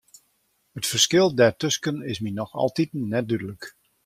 It ferskil dêrtusken is my noch altiten net dúdlik.